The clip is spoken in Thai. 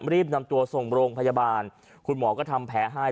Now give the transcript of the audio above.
รีบนำตัวส่งโรงพยาบาลคุณหมอก็ทำแผลให้